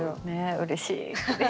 うれしい。